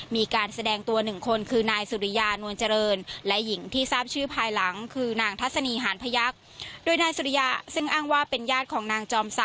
มีการแสดงตัว๑คนคือนายสุริยานวลเจริญและหญิงที่ทราบชื่อภายหลังคือนางทัศนีหานพยักษ์